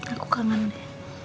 aku kangen nek